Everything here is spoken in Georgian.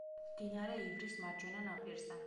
მდინარე ივრის მარჯვენა ნაპირზე.